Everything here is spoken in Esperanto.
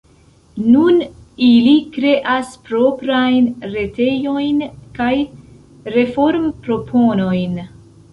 Nun ili kreas proprajn retejojn kaj reformproponojn.